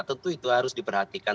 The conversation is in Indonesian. tentu itu harus diperhatikan